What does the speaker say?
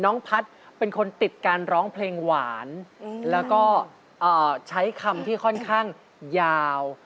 น้องพัฒน์เป็นคนติดการร้องเพลงหวานแล้วก็ใช้คำที่ค่อนข้างยาว